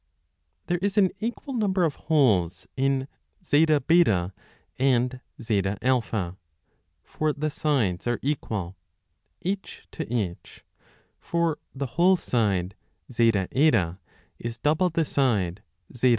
There is an equal number of holes in ZB and ZA ; for the sides are equal, 1 each to each, for the whole side ZH is double the side ZA.